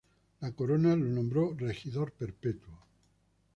La Corona lo nombró Regidor Perpetuo.